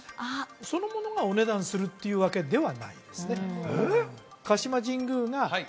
そのものがお値段するっていうわけではないですね